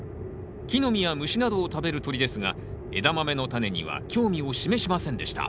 木の実や虫などを食べる鳥ですがエダマメのタネには興味を示しませんでした。